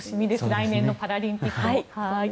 来年のパラリンピックも。